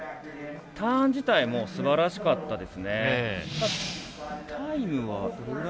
ターン自体もすばらしかったですね。